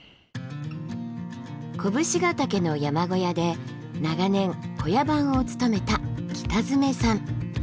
甲武信ヶ岳の山小屋で長年小屋番を務めた北爪さん。